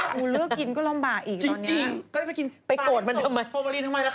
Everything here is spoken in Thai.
หวกูเลือกกินก็ลำบากอีกตอนนี้จริง